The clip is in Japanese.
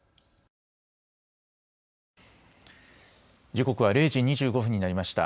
時刻は０時２５分になりました。